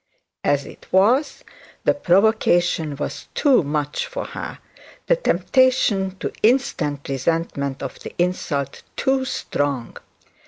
As it was, the provocation was too much for her, the temptation to instant resentment of the insult too strong.